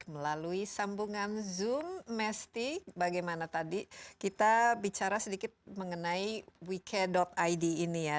melalui sambungan zoom mesty bagaimana tadi kita bicara sedikit mengenai wecare id ini ya